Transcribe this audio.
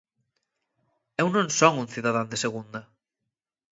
Eu non son un cidadán de segunda!